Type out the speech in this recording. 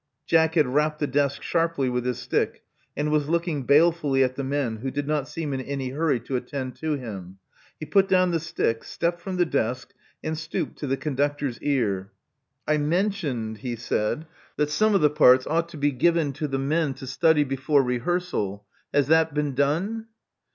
Jack had rapped the desk sharply with his stick, and was looking balefuUy at the men, who did not seem in any hurry to attend to him. He put down the stiok; stepped from the desk; and stooped to the conductor's ear. I mentioned," he said, that some of the parts 174 ' Love Among the Artists ought to be given to the men to study before rehearsal. Has that been done?"